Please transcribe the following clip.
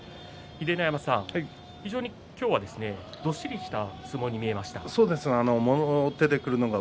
秀ノ山さん、非常に今日はどっしりした相撲に見えましたが。